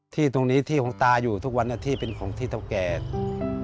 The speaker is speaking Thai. ที่ตรงนี้ที่ของตาอยู่ทุกวันที่เป็นของที่เท่าแก่